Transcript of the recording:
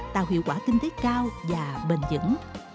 tạo hiệu quả kinh tế cao và bền dững